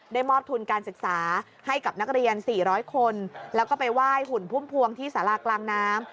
มอบทุนการศึกษาให้กับนักเรียน๔๐๐คนแล้วก็ไปไหว้หุ่นพุ่มพวงที่สารากลางน้ำ